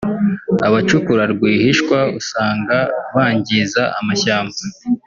abacukura rwihishwa usanga bangiza amashyamba